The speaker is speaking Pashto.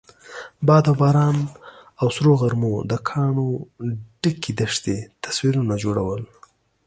باد او باران او سرو غرمو د کاڼو ډکې دښتې تصویرونه جوړول.